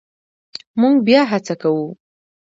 مونږ بیا هڅه کوو